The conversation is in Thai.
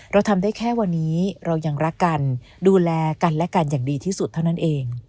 เราทำได้แค่วันนี้เรายังรักกันดูแลกันและกันอย่างดีที่สุดเท่านั้นเอง